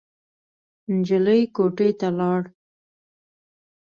نجلۍ کوټې ته لاړ.